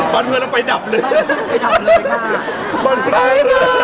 บ้านเฮื่อร์เราไปดำเลย